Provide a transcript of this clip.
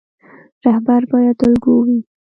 رهبر باید الګو وي